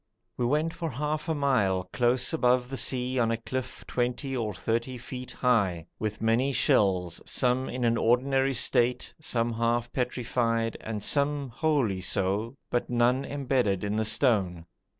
We went for half a mile close above the sea on a cliff 20 or 30 feet high, with many shells, some in an ordinary state, some half petrified, and some wholly so, but none embedded in the stone.